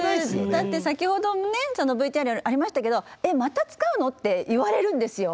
だって先ほどもねＶＴＲにありましたけど「えっまた使うの？」って言われるんですよ。